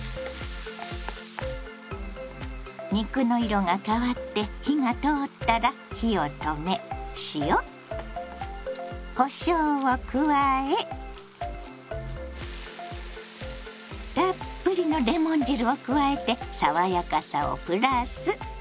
肉の色が変わって火が通ったら火を止め塩こしょうを加えたっぷりのレモン汁を加えて爽やかさをプラス。